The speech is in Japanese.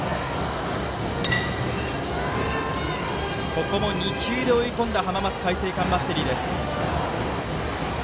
ここも２球で追い込んだ浜松開誠館バッテリーです。